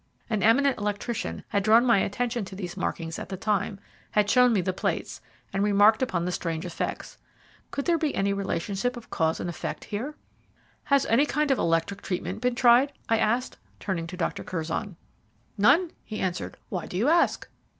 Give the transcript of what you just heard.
An eminent electrician had drawn my attention to these markings at the time, had shown me the plates, and remarked upon the strange effects. Could there be any relationship of cause and effect here? "Has any kind of electrical treatment been tried?" I asked, turning to Dr. Curzon. "None," he answered. "Why do you ask?"